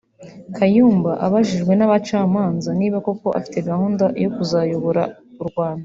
Kayumba abajijwe n’abacamanza niba koko afite gahunda yo kuzayobora u Rwanda